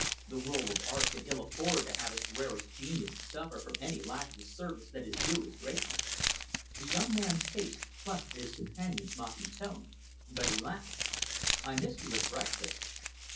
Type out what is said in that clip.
The world of art can ill afford to have its rarest genius suffer from any lack of the service that is due his greatness." The young man's face flushed at his companion's mocking tone; but he laughed. "I missed you at breakfast."